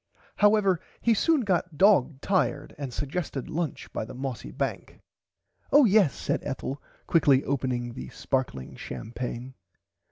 However he soon got dog tired and sugested lunch by the mossy bank. Oh yes said Ethel quickly opening the sparkling champaigne.